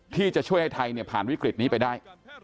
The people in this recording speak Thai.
ที่จะช่วยให้ไทยผ่านวิกฤตนี้ไปได้